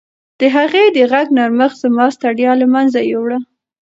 د هغې د غږ نرمښت زما ستړیا له منځه یووړه.